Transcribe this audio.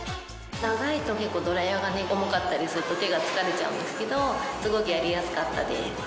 長いと結構ドライヤーが重かったりすると手が疲れちゃうんですけどすごくやりやすかったです。